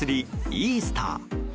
イースター。